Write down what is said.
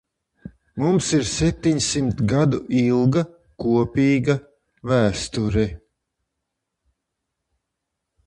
Mums ir septiņsimt gadu ilga kopīga vēsture.